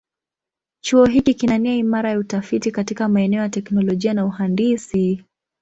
Chuo hiki kina nia imara ya utafiti katika maeneo ya teknolojia na uhandisi.